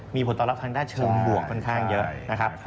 มีผลตอบรับทางด้านเชิงบวกค่อนข้างเยอะนะครับ